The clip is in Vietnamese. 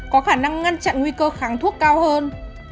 có khả năng ngăn chặn nguy cơ kháng thuốc cao hơn